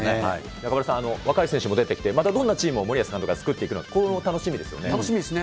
中丸さん、若い選手も出てきて、またどんなチームを森保監督が作っていくのか、ここも楽しみ楽しみですね。